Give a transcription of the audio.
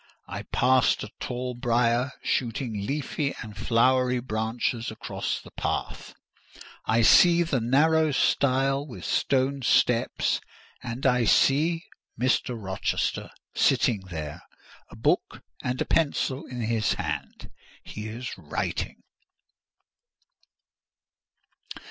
I passed a tall briar, shooting leafy and flowery branches across the path; I see the narrow stile with stone steps; and I see—Mr. Rochester sitting there, a book and a pencil in his hand; he is writing.